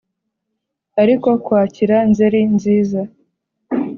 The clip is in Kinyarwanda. Ari ko kwakira Nzeri nziza